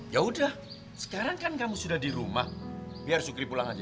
ya udah sekarang kan kamu sudah di rumah biar syukri pulang aja